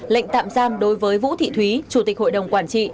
lệnh tạm giam đối với vũ thị thúy chủ tịch hội đồng quản trị